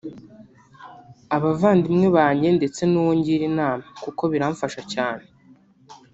abavandimwe banjye ndetse n’uwo ngira inama kuko biramfasha cyane